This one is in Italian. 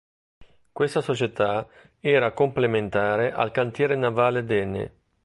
Questa società era complementare al cantiere navale Denny.